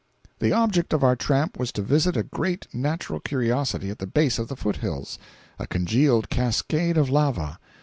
The object of our tramp was to visit a great natural curiosity at the base of the foothills—a congealed cascade of lava.